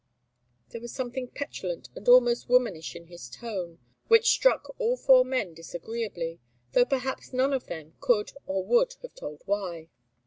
There was something petulant and almost womanish in his tone, which struck all four men disagreeably, though perhaps none of them could or would have told why.